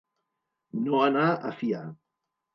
No anar a fiar.